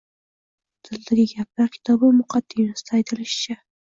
“Dildagi gaplar” kitobi muqaddimasida aytilishicha